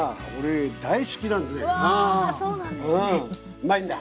うまいんだ！